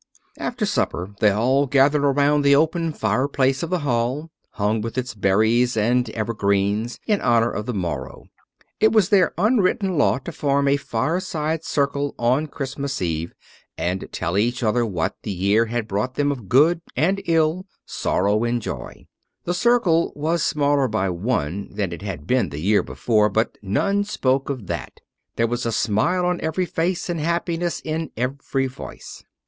After supper they all gathered around the open fireplace of the hall, hung with its berries and evergreens in honour of the morrow. It was their unwritten law to form a fireside circle on Christmas Eve and tell each other what the year had brought them of good and ill, sorrow and joy. The circle was smaller by one than it had been the year before, but none spoke of that. There was a smile on every face and happiness in every voice.